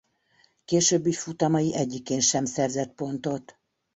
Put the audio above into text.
Későbbi futamai egyikén sem szerzett pontot.